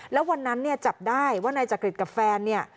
แล้ววันนั้นจับได้ว่านายจักริตกับแฟน